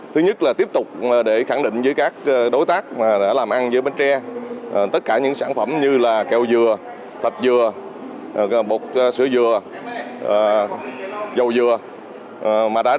thứ nhất là tiếp tục để khẳng định với các đối tác đã làm ăn giữa bến tre tất cả những sản phẩm như kẹo dừa thạch dừa bột sữa dừa dầu dừa